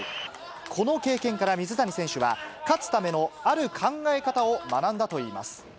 この経験から水谷選手は、勝つためのある考え方を学んだといいます。